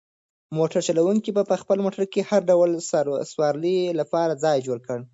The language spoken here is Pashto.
موټر چلونکي په خپل موټر کې د هر ډول سوارلۍ لپاره ځای جوړ کړ.